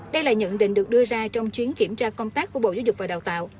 đây là nhận định được đưa ra trong chuyến kiểm tra công tác của bộ giáo dục và đào tạo